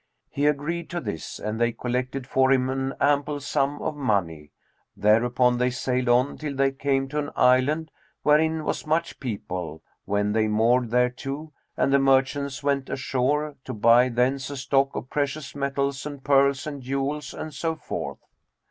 He agreed to this and they collected for him an ample sum of money. Thereupon they sailed on, till they came to an island wherein was much people; when they moored thereto and the merchants went ashore, to buy thence a stock of precious metals and pearls and jewels and so forth.